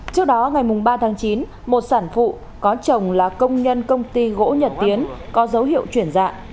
trước đó ngày ba tháng chín một sản phụ có chồng là công nhân công ty gỗ nhật tiến có dấu hiệu chuyển dạ